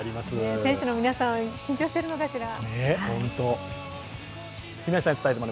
選手の皆さん緊張してるのかしら。